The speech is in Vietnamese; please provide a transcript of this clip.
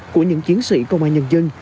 của những chiến sĩ công an nhân dân